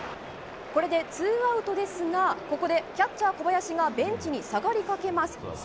これでツーアウトですがここでキャッチャー、小林がベンチに下がりかけます。